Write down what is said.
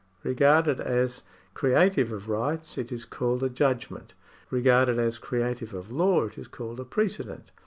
Regarded as creative of rights, it is called a judgment ; regarded as creative of law, it is called a precedent.